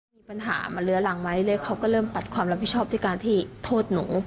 มีปัญหามันเหลือหลังมาเรื่อยเขาก็เริ่มปัดความรับผิดชอบที่การที่โทษหนู